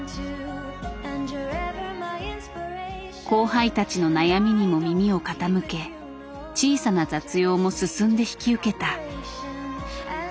後輩たちの悩みにも耳を傾け小さな雑用も進んで引き受けた。